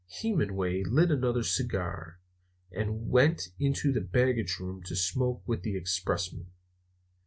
Hemenway lit another cigar and went into the baggage room to smoke with the expressman.